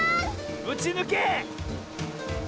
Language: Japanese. うちぬけ！